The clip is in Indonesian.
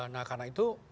nah karena itu